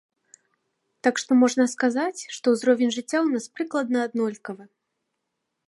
Так што можна сказаць, што ўзровень жыцця ў нас прыкладна аднолькавы.